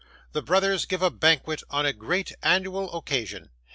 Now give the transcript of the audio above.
The brothers give a Banquet on a great Annual Occasion.